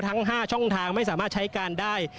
ทั้ง๕ช่องทางไม่สามารถใช้การได้